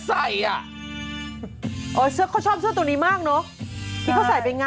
ทุกวันนี้จริง